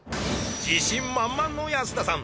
自信満々の保田さん